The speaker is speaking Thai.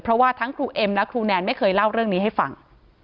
เพราะว่าทั้งครูเอ็มและครูแนนไม่เคยเล่าเรื่องนี้ให้ฟัง